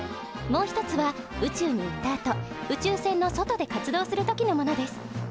もう一つは宇宙に行ったあと宇宙船の外で活動する時のものです。